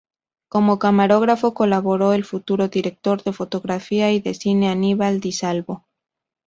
Como camarógrafo colaboró el futuro director de fotografía y de cine Aníbal Di Salvo.